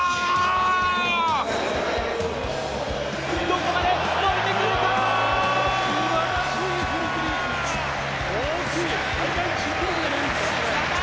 どこまで伸びてくるか！